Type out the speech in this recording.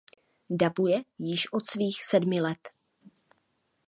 Dabuje již od svých sedmi let.